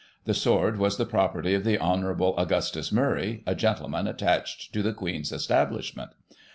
The sword was the property of the Hon. Aug^tus Murray, a gentleman attached to the Queen's estab lishment.